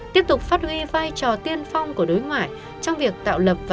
tiếp tục phát huy vai trò tiên phong của đối ngoại trong việc tạo lập và diễn đoán